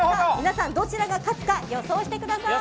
どちらが勝つか予想してください。